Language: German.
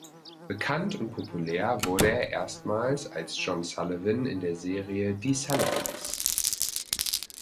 Bekannt und populär wurde er erstmals als "John Sullivan" in der Serie "Die Sullivans".